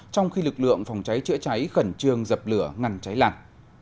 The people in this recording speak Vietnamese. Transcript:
trong khi lực lượng phòng cháy chữa cháy khẩn trương dập lửa ngăn cháy lạt